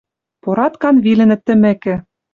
Пораткан вилӹнӹт тӹмӹкӹ